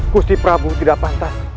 gusti prabu tidak pantas